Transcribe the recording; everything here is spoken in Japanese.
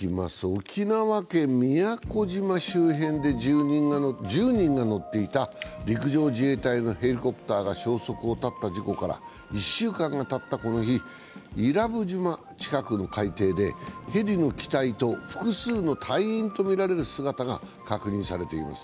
沖縄県宮古島周辺で１０人が乗っていた陸上自衛隊のヘリコプターが消息を絶った事故から１週間がたったこの日、伊良部島近くの海底でヘリの機体と複数の隊員とみられる姿が確認されています。